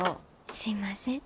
すいません。